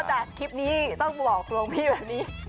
แต่คลิปนี้ต้องบอกหลวงพี่แบบนี้